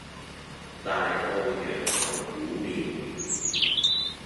大澳楊侯古廟